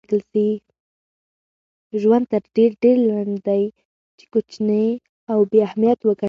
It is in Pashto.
ژوند تر دې ډېر لنډ دئ، چي کوچني او بې اهمیت وګڼل سئ.